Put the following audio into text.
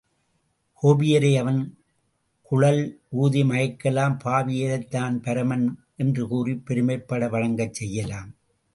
கோபியரை அவன் குழல் ஊதி மயக்கலாம் பாபியரைத் தான் பரமன் என்று கூறிப் பெருமைப்பட வணங்கச் செய்யலாம்.